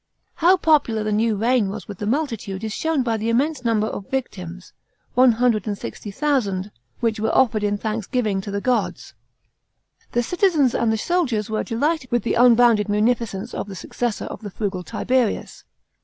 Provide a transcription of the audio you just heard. § 3. How popular the new reign was with the multitude is shown by the immense number of victims — one hundred and sixty thousand — which were offered in thanksgiving to the gods. The citizens and the soldiers were delighted with the unbounded munificence of the successor of the frugal Tiberius.